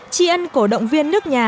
chi ân cổ động viên nước nhà